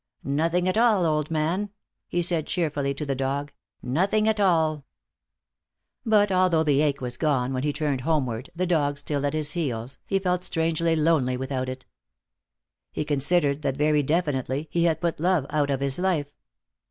"Nothing at all, old man," he said cheerfully to the dog, "nothing at all." But although the ache was gone when he turned homeward, the dog still at his heels, he felt strangely lonely without it. He considered that very definitely he had put love out of his life.